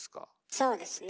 そうですね。